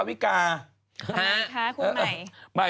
อะไรนะคะคุณใหม่